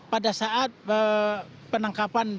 pada saat penangkapan